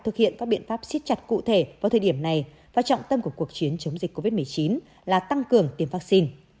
thực hiện các biện pháp siết chặt cụ thể vào thời điểm này và trọng tâm của cuộc chiến chống dịch covid một mươi chín là tăng cường tiêm vaccine